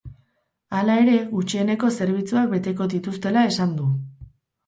Hala ere, gutxieneko zerbitzuak beteko dituztela esan du.